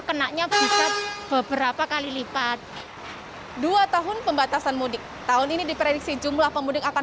kenanya bisa beberapa kali lipat dua tahun pembatasan mudik tahun ini diprediksi jumlah pemudik akan